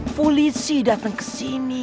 pulisi dateng kesini